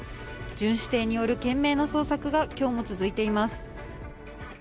巡視艇による懸命の捜索が今日も続いています